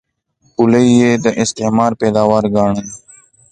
پولې یې د استعمار پیداوار ګاڼه.